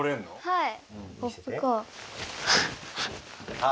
はい。